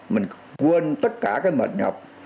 mình quên tất cả cái mệt nhọc